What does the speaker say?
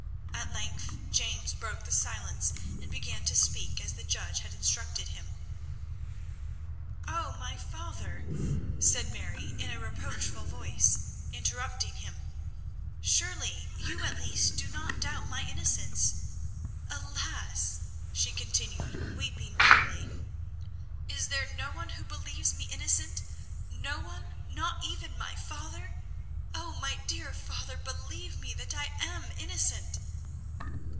At length James broke the silence and began to speak as the judge had instructed him. [Illustration: "She raised herself hastily, forgetting her chains." See page 44.] "Oh, my father," said Mary, in a reproachful voice, interrupting him, "surely you at least do not doubt my innocence. Alas," she continued, weeping bitterly, "is there no one who believes me innocent, no one, not even my father! Oh, my dear father, believe me that I am innocent."